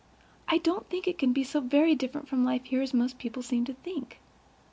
I don't think it can be so very different from life here as most people seem to think.